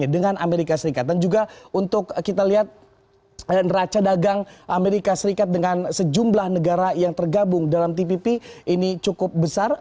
dan juga untuk kita lihat raca dagang amerika serikat dengan sejumlah negara yang tergabung dalam tpp ini cukup besar